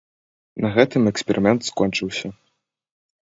На гэтым эксперымент скончыўся.